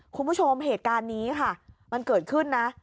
คุณผู้ชมเหตุการณ์นี้ค่ะมันเกิดขึ้นนะ